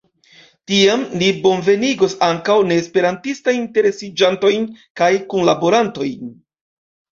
Tiam ni bonvenigos ankaŭ neesperantistajn interesiĝantojn kaj kunlaborantojn.